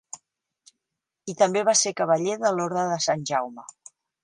I també va ser cavaller de l'Orde de Sant Jaume.